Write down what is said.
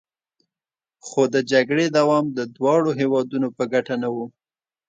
خو د جګړې دوام د دواړو هیوادونو په ګټه نه و